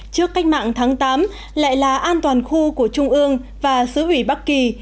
trước cách mạng tháng tám lại là an toàn khu của trung ương và xứ ủy bắc kỳ